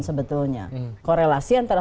sebetulnya korelasi antara